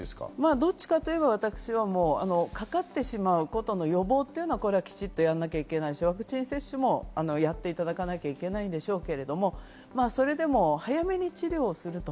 どちらかというと、私はかかってしまうことの予防はきちっとやらなきゃいけないし、ワクチン接種もやっていただかなきゃいけないんでしょうけど、それでも早めに治療する。